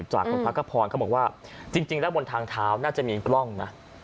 จากคุณพักขพรเขาบอกว่าจริงแล้วบนทางเท้าน่าจะมีกล้องนะ